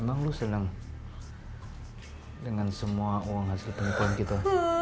emang lu senang dengan semua uang hasil penipuan kita